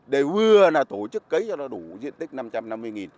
để vừa là tổ chức cấy cho nó đủ diện tích năm trăm năm mươi